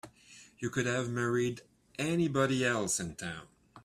You could have married anybody else in town.